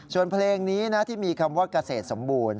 ส่วนเพลงนี้นะที่มีคำว่าเกษตรสมบูรณ